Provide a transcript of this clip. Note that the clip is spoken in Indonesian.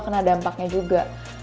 kena dampaknya juga